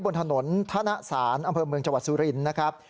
บนถนนธนสารอำเภอเมืองจังหวัดสุรินทร์นะครับ